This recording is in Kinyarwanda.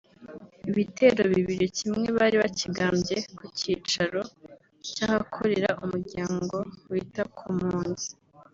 Ibitero bibiri; kimwe bari bakigabye ku kicaro cy’ahakorera umuryango wita ku mpunzi